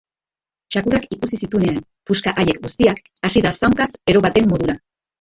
Txakurrak ikusi zituenean puska haiek guztiak, hasi da zaunkaz ero baten modura.